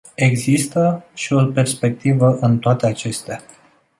Există și o perspectivă în toate acestea.